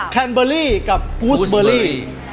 แคลเบอร์รี่กับโกรศ์เบอร์รี่